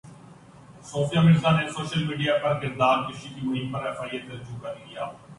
صوفیہ مرزا نے social media پرکردار کشی کی مہم پر ایف ائی اے سے رجوع کر لیا